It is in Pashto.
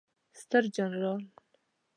ستر جنرال